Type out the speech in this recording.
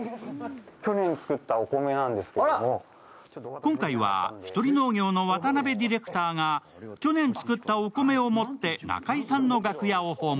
今回はひとり農業の渡辺ディレクターが去年作ったお米を持って中居さんの楽屋を訪問。